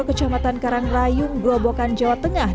kecamatan karangrayung gerobokan jawa tengah